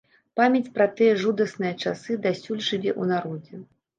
Памяць пра тыя жудасныя часы дасюль жыве ў народзе.